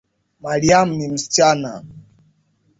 Mariam ni msichana